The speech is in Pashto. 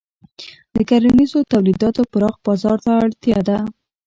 د کرنیزو تولیداتو پراخ بازار ته اړتیا ده.